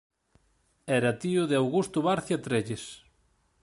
Era tío de Augusto Barcia Trelles.